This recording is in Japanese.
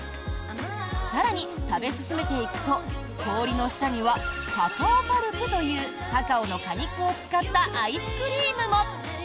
更に、食べ進めていくと氷の下にはカカオパルプというカカオの果肉を使ったアイスクリームも。